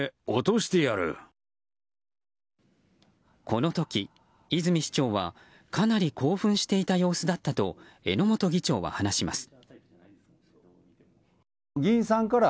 この時、泉市長はかなり興奮した様子だったと榎本議長は話します。